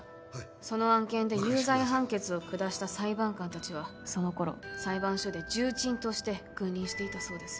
その案件で有罪判決を下した裁判官達はその頃裁判所で重鎮として君臨していたそうです